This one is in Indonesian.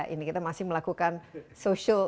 ini kita masih melakukan social